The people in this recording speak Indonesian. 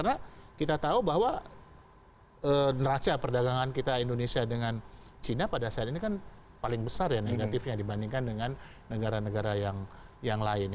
karena kita tahu bahwa neraca perdagangan kita indonesia dengan cina pada saat ini kan paling besar ya negatifnya dibandingkan dengan negara negara yang lain